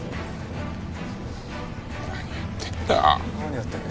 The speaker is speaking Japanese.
何やってんだ？